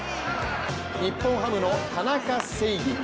日本ハムの田中正義。